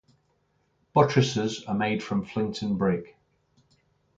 Buttresses are made from flint and brick.